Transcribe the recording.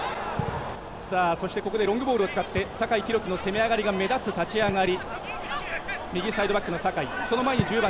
ロングボールを使って酒井宏樹の攻め上がりが目立つ立ち上がり。